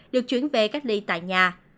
được chuyển về cách ly tại nhà